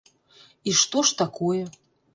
І што ж такое.